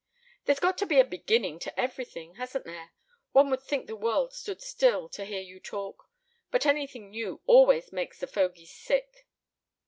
"There's got to be a beginning to everything, hasn't there? One would think the world stood still, to hear you talk. But anything new always makes the fogies sick."